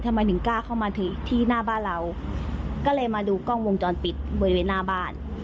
ทำไมถึงกล้าเข้ามาถึงที่หน้าบ้านเราก็เลยมาดูกล้องวงจรปิดบริเวณหน้าบ้าน